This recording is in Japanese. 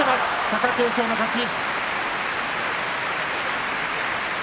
貴景勝の勝ち。